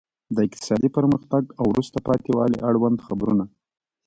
د اقتصادي پرمختګ او وروسته پاتې والي اړوند خبرونه.